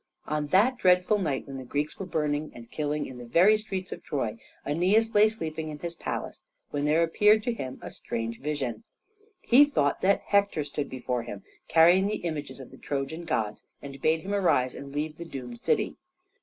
On that dreadful night, when the Greeks were burning and killing in the very streets of Troy, Æneas lay sleeping in his palace when there appeared to him a strange vision. He thought that Hector stood before him carrying the images of the Trojan gods and bade him arise and leave the doomed city.